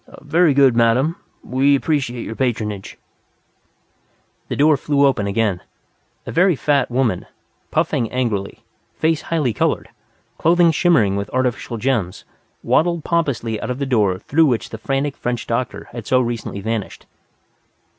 "Very good, madam. We appreciate your patronage." The door flew open again. A very fat woman, puffing angrily, face highly colored, clothing shimmering with artificial gems, waddled pompously out of the door through which the frantic French doctor had so recently vanished.